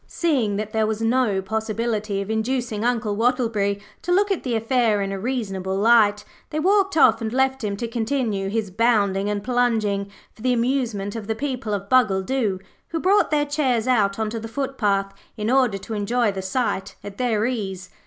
Seeing that there was no possibility of inducing Uncle Wattleberry to look at the affair in a reasonable light, they walked off and left him to continue his bounding and plunging for the amusement of the people of Bungledoo, who brought their chairs out on to the footpath in order to enjoy the sight at their ease.